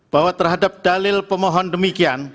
bahwa terhadap dalil pemohon demikian